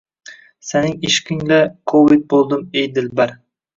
Saning ishqing-la Covid bo'ldim, ey Dilbar...